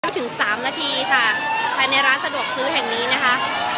ถึงสามนาทีค่ะภายในร้านสะดวกซื้อแห่งนี้นะคะ